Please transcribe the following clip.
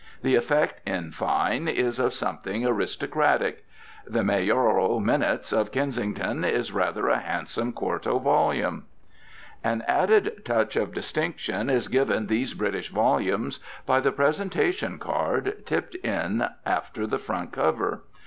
The effect, in fine, is of something aristocratic. The "Mayoral Minutes" of Kensington is rather a handsome quarto volume. An added touch of distinction is given these British volumes by the presentation card, tipped in after the front cover.